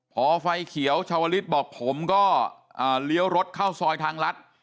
พอไฟเขียวชาวลิศบอกผมก็เลี้ยวรถเข้าซอยทางรัฐ